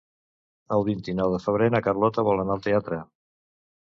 El vint-i-nou de febrer na Carlota vol anar al teatre.